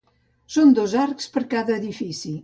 Són dos arcs per cada edifici.